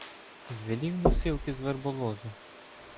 Звелів носилки з верболозу